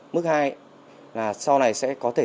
mức hai là sau này sẽ có thể